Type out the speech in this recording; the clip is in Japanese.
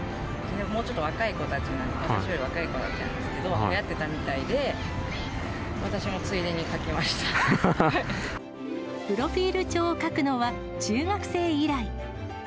もうちょっと若い子たち、私より若い子たちなんですけど、はやってたみたいで、私もついでプロフィール帳を書くのは、中学生以来。